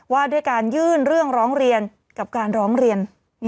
ว่าด้วยการยื่นเรื่องร้องเรียนกับการร้องเรียน